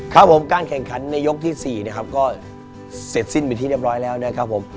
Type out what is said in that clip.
ครับผมการแข่งขันในยกที่๔นะครับก็เสร็จสิ้นเป็นที่เรียบร้อยแล้วนะครับผม